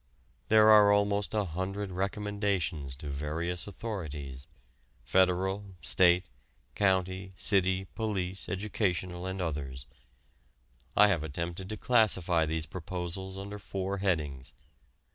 There are almost a hundred recommendations to various authorities Federal, State, county, city, police, educational and others. I have attempted to classify these proposals under four headings.